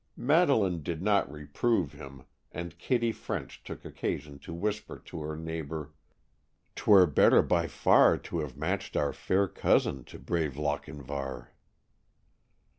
Madeleine did not reprove him, and Kitty French took occasion to whisper to her neighbor: "''Twere better by far to have matched our fair cousin to brave Lochinvar.